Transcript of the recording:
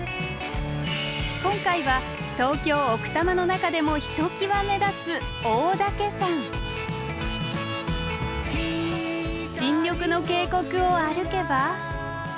今回は東京・奥多摩の中でもひときわ目立つ新緑の渓谷を歩けば。